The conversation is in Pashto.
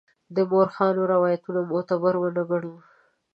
د مورخانو روایتونه معتبر ونه ګڼو.